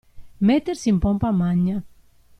Mettersi in pompa magna.